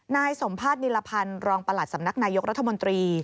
นายสมภาษณิรพันธ์รองประหลัดสำนักนายกรัฐมนตรี